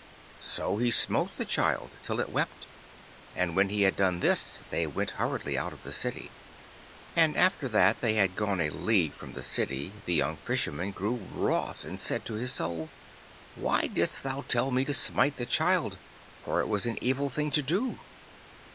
So he smote the child till it wept, and when he had done this they went hurriedly out of the city. And after that they had gone a league from the city the young Fisherman grew wroth, and said to his Soul, 'Why didst thou tell me to smite the child, for it was an evil thing to do?